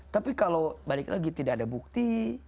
tapi kalau balik lagi tidak ada bukti